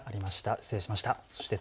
失礼しました。